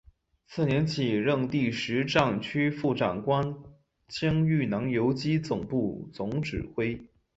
次年起任第十战区副长官兼豫南游击总部总指挥。